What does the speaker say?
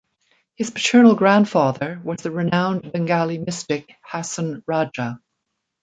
His paternal grandfather was the renowned Bengali mystic Hason Raja.